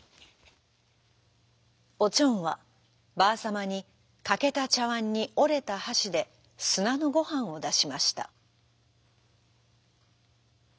おちょんはばあさまにかけたちゃわんにおれたはしですなのごはんをだしました。